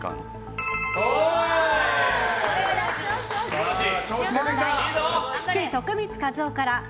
素晴らしい！